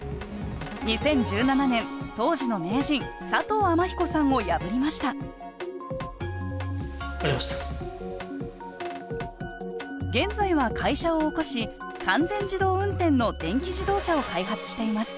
２０１７年当時の名人佐藤天彦さんを破りました現在は会社を興し完全自動運転の電気自動車を開発しています